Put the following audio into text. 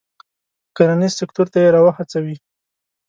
کرنیز سکتور ته یې را و هڅوي.